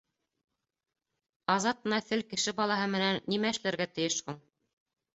— Азат Нәҫел кеше балаһы менән нимә эшләргә тейеш һуң?